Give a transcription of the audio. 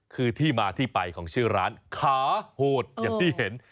คือที่มาที่ไปของชื่อร้านขาโหดอย่างที่เห็น